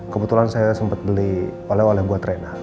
kebetulan saya sempat beli oleh oleh buat rena